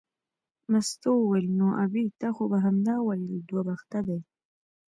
مستو وویل نو ابۍ تا خو به همدا ویل دوه بخته دی.